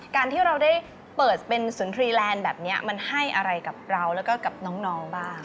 การที่เราได้เปิดเป็นศูนย์ทรีแลนด์แบบนี้มันให้อะไรกับเราแล้วก็กับน้องบ้าง